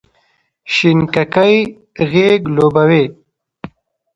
شینککۍ غیږ لوبوې،